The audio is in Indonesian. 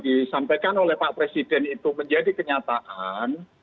disampaikan oleh pak presiden itu menjadi kenyataan